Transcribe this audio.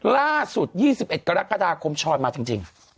ล่าสุด๒๑กรกฎาคมชอยมาจริง